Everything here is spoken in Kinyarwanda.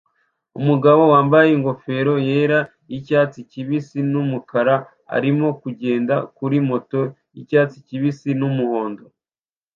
Umugabo wambaye ingofero yera nicyatsi kibisi n'umukara arimo kugenda kuri moto yicyatsi kibisi n'umuhondo